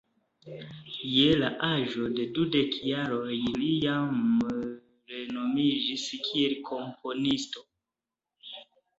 Je la aĝo de dudek jaroj li jam renomiĝis kiel komponisto.